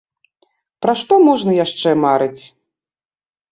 Пра што можна яшчэ марыць!